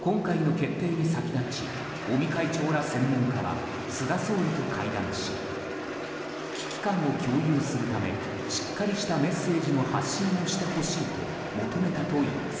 今回の決定に先立ち尾身会長ら専門家は菅総理と会談し危機感を共有するためしっかりしたメッセージの発信をしてほしいと求めたといいます。